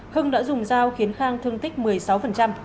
hưng đã dùng dao khiến khang thương tích một mươi sáu